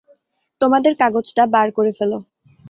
তোমাদের কাগজটা বার করে ফেল।